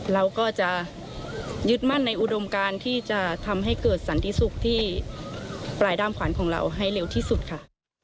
เราก็จะยึดมั่นในอุดมการที่จะทำให้เกิดสันติสุขที่ปลายด้ามขวัญของเราให้เร็วที่สุดค่ะ